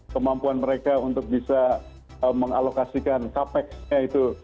kemampuan mereka untuk bisa mengalokasikan capexnya itu